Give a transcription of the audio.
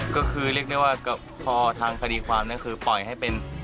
ก็คือเรียกได้ว่าก็ทางขดีความนั้นคือปล่อยให้